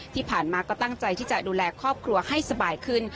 ที่ผ่านมาก็ตั้งใจที่จะดูแลครอบครัวให้สบายขึ้น